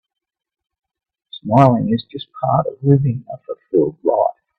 Smiling is just part of living a fulfilled life.